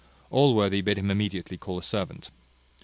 Allworthy bid him immediately call a servant.